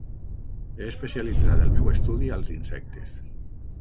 He especialitzat el meu estudi als insectes.